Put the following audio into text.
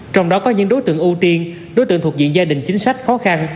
trong đó có những đối tượng ưu tiên đối tượng thuộc diện gia đình chính sách khó khăn